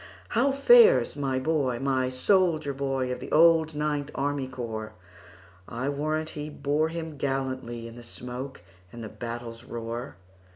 "How fares my boy,—my soldier boy, Of the old Ninth Army Corps?I warrant he bore him gallantlyIn the smoke and the battle's roar!"